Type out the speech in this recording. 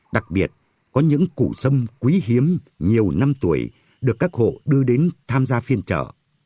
đặc biệt có những củ xâm quý hiếm nhiều năm tuổi được các hộ đưa đến tham gia phiên chợ